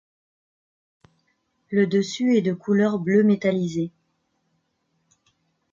Le dessus est de couleur bleu métallisé.